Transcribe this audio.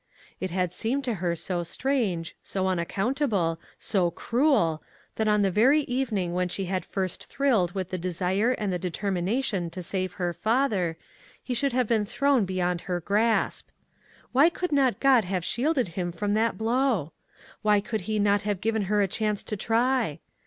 It had seemed to her so strange, so unaccountable, so cruel, that on the very evening when she had first thrilled with the desire and the determination to save her father, he should have been thrown beyond her grasp. Why could not God have shielded him from that blow? Why could he not have given her a chance to try?